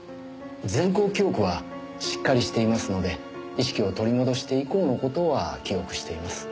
前向記憶はしっかりしていますので意識を取り戻して以降の事は記憶しています。